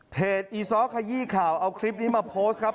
อีซ้อขยี้ข่าวเอาคลิปนี้มาโพสต์ครับ